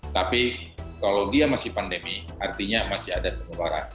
tapi kalau dia masih pandemi artinya masih ada penularan